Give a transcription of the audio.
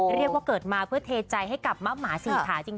เรียกว่าเกิดมาเพื่อเทใจให้กับมะหมาสี่ขาจริง